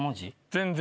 全然。